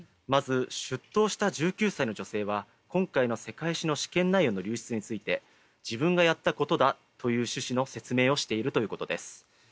まず出頭した１９歳の女性は今回の世界史の試験内容の流出について自分がやったことだという趣旨の説明をしているということです。